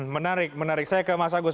menarik menarik saya ke mas agus